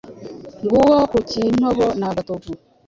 nguwo ku Kintobo na Gatovu,